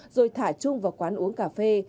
rồi thả trung vào quán uống cà phê